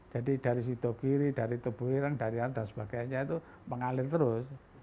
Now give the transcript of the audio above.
jadi dari situ kiri dari tubuh hilang dari ada sebagainya itu mengalir terus